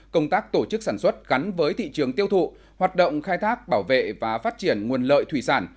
công tác tổ chức sản xuất gắn với thị trường tiêu thụ hoạt động khai thác bảo vệ và phát triển nguồn lợi thủy sản